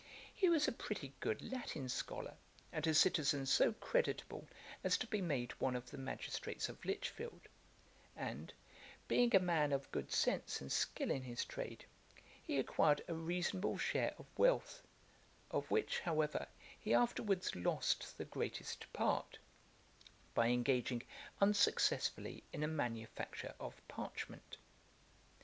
He was a pretty good Latin scholar, and a citizen so creditable as to be made one of the magistrates of Lichfield; and, being a man of good sense, and skill in his trade, he acquired a reasonable share of wealth, of which however he afterwards lost the greatest part, by engaging unsuccessfully in a manufacture of parchment.